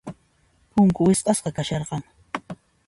Punku wisq'asqa kasharqan.